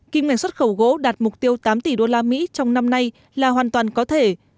kim ngạch xuất khẩu gỗ đạt mục tiêu tám tỷ đô la mỹ trong năm nay là hoàn toàn có thể